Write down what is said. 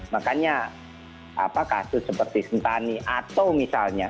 makanya kasus seperti sentani atau misalnya